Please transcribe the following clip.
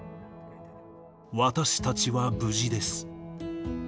私たちは無事です。